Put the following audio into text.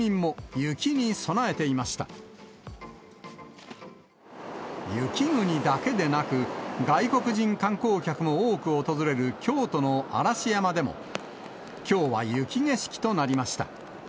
雪国だけでなく、外国人観光客も多く訪れる京都の嵐山でも、きょうは雪景色となりました。